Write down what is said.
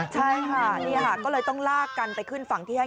ใช่ค่ะนี่ค่ะก็เลยต้องลากกันไปขึ้นฝั่งที่๕